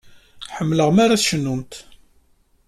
Ḥemmleɣ mi ara tcennumt.